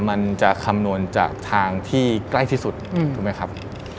มันจะคำนวณจากทางที่ใกล้ที่สุดถูกไหมครับ